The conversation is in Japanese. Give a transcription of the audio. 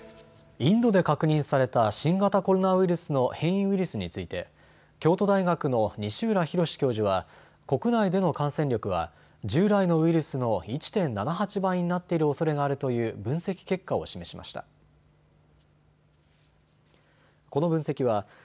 インドで確認された新型コロナウイルスの変異ウイルスについて京都大学の西浦博教授は国内での感染力は従来のウイルスの１．７８倍になっているおそれがあるという分析結果を示しました。